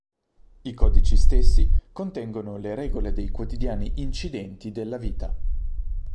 I codici stessi contengono le regole dei quotidiani "incidenti" della vita.